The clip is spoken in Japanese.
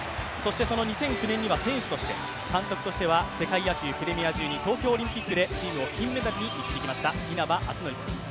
その２００９年には選手として、監督しては世界野球プレミア１２東京オリンピックでチームを金メダルに導きました稲葉篤紀さんです。